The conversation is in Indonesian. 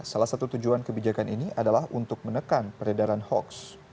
salah satu tujuan kebijakan ini adalah untuk menekan peredaran hoax